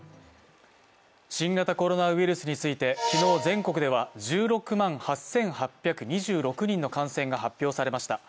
新型コロナウイルスについて昨日全国では１６万８８２６人の感染が発表されました。